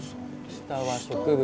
下は植物。